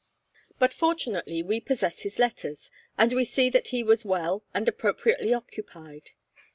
But fortunately we possess his letters, and we see that he was well and appropriately occupied.